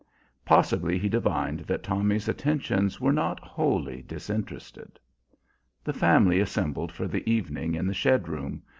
Possibly he divined that Tommy's attentions were not wholly disinterested. The family assembled for the evening in the shed room.